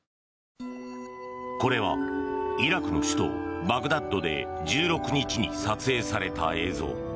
これはイラクの首都バグダッドで１６日に撮影された映像。